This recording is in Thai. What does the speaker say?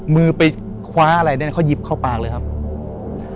มือไปคว้าอะไรเนี่ยเขาหยิบเข้าปากเลยครับ